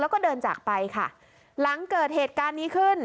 แล้วก็เดินจากไปค่ะหลังเกิดเหตุการณ์นี้ขึ้น